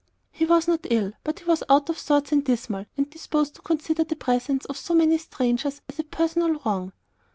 He was not ill, but he was out of sorts and dismal, and disposed to consider the presence of so many strangers as a personal wrong.